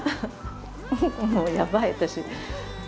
もうやばい私。